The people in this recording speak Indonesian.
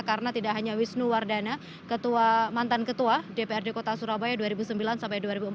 karena tidak hanya wisnu wardana mantan ketua dprd kota surabaya dua ribu sembilan sampai dua ribu empat belas